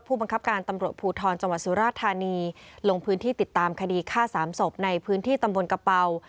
ผู้บังคับการตำรวจภูทรจังหวัดสุราธานีลงพื้นที่ติดตามคดีฆ่าสามศพในพื้นที่ตำบลกระเป๋า